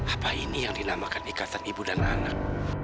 apa ini yang dinamakan ikatan ibu dan anak